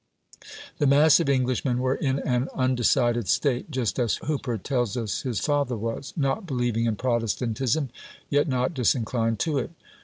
The mass of Englishmen were in an undecided state, just as Hooper tells us his father was "Not believing in Protestantism, yet not disinclined to it".